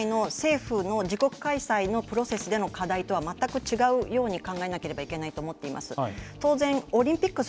ＩＯＣの課題と今回の政府の自国開催のプロセスの課題とは全く別に考えなければいけないと思っています。